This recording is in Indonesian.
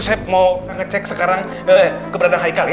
saya mau ngecek sekarang keberadaan haikal ya